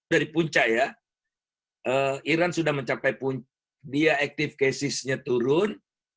dari punca ya iran sudah mencapai punca dia active casusnya turun